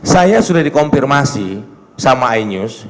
saya sudah dikonfirmasi sama inews